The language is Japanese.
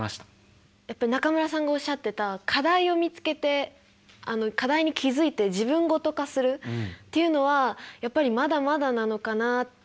中村さんがおっしゃってた課題を見つけて課題に気付いて自分ごと化するっていうのはやっぱりまだまだなのかなって思ってて。